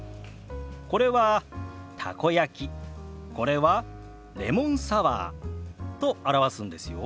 これは「たこ焼き」これは「レモンサワー」と表すんですよ。